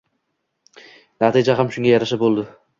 Natija ham shunga yarasha bo‘ldi.